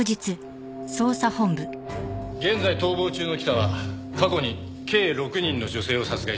現在逃亡中の北は過去に計６人の女性を殺害しています。